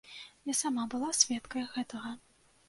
Я сама была сведкай гэтага.